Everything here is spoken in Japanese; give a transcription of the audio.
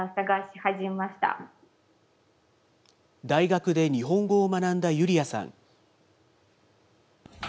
大学で日本語を学んだユリアさん。